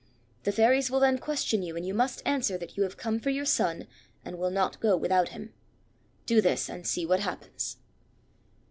The Fairies will then question you, and you must answer that you have come for your son, and will not go without him. Do this, and see what happens!"